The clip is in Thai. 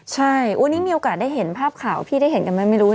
ใช่วันนี้มีโอกาสได้เห็นภาพข่าวพี่ได้เห็นกันไหมไม่รู้